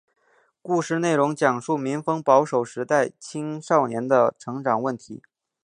故事内容讲述民风保守时代青少年的成长问题。